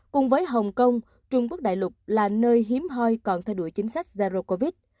cùng với hồng kông trung quốc đại lục là nơi hiếm hoi còn thay đổi chính sách zero covid